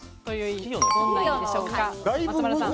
どんな意味でしょうか？